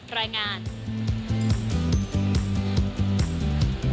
รายงานนี้